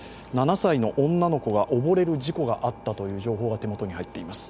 ７歳の女の子が溺れる事故があったという情報が手元に入っています。